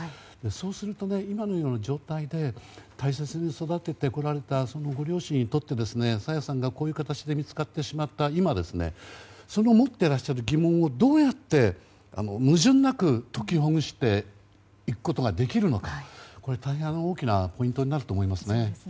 そうすると今のような状態で大切に育ててこられたご両親にとって朝芽さんがこういう形で見つかってしまった今その持っていらっしゃる疑問をどうやって矛盾なく解きほぐしていくことができるかこれが大変大きなポイントになると思います。